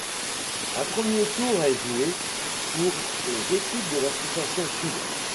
Un premier tour est joué pour les équipes de l'association Sud.